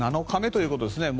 ７日目ということです。